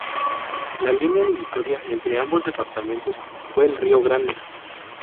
La línea divisoria entre ambos departamentos fue el río Grande.